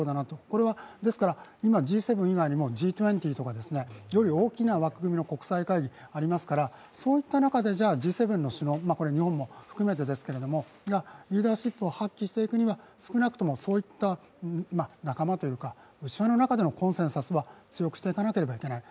これはですから今Ｇ７以外にもＧ２０とかより大きな枠組みの国際会議がありますから、そういった中で、Ｇ７の首脳、日本も含めてですがリーダーシップを発揮していくには少なくともそういった仲間というか、内輪の中でのコンセンサスは強くしていかなければならない。